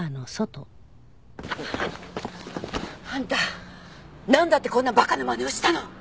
あんたなんだってこんな馬鹿なまねをしたの！